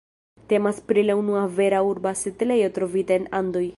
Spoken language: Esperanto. Temas pri la unua vera urba setlejo trovita en Andoj.